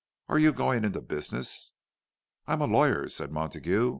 Are you going into business?" "I am a lawyer," said Montague.